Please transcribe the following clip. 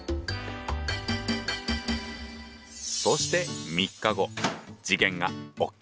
そして３日後事件が起きた。